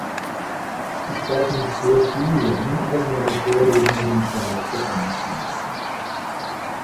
Ich darf mich sehr vielem, was meine Vorrednerin sagte, anschließen.